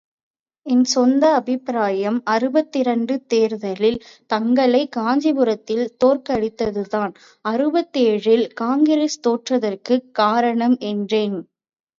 என் சொந்த அபிப்பிராயம் அறுபத்திரண்டு தேர்தலில் தங்களைக் காஞ்சீபுரத்தில் தோற்கடித்ததுதான் அறுபத்தேழு ல் காங்கிரஸ்தோற்றதற்குக் காரணம், என்றேன்.